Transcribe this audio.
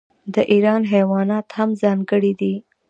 د ایران حیوانات هم ځانګړي دي.